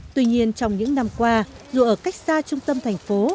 tuy nhiên trong những năm qua dù ở cách xa trung tâm thành phố